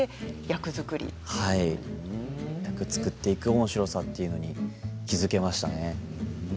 役を作っていくおもしろさというのに気付けましたね。